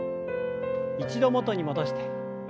一度元に戻して。